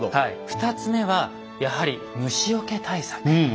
２つ目はやはり虫よけ対策です。